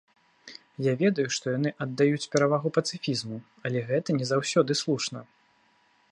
Я ведаю, што яны аддаюць перавагу пацыфізму, але гэта не заўсёды слушна.